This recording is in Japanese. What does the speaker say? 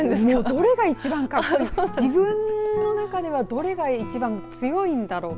どれが一番格好いいのか自分の中でどれが一番強いんだろうか。